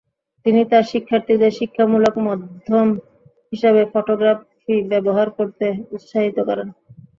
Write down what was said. তিনি তার শিক্ষার্থীদের শিক্ষামূলক মাধ্যম হিসেবে ফটোগ্রাফি ব্যবহার করতে উৎসাহিত করেন।